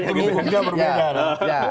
juru bicara berbeda